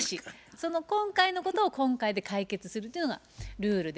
その今回のことを今回で解決するっていうのがルールで。